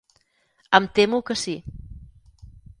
Em temo que sí.